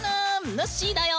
ぬっしーだよ！